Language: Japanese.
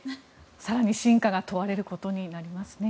更に真価が問われることになりますね。